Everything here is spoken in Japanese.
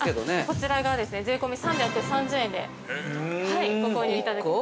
◆こちらがですね、税込み３３０円でご購入いただけます。